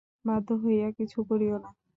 বাধ্য হইয়া কিছু করিও না।